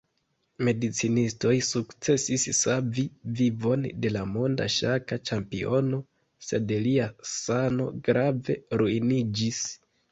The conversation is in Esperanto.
Medicinistoj sukcesis savi vivon de la monda ŝaka ĉampiono, sed lia sano grave ruiniĝis.